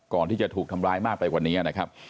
ก่อนที่จะถูกทำร้ายมากไปกว่านี้นะครับ